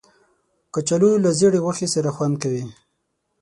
کچالو له زېړې غوښې سره خوند کوي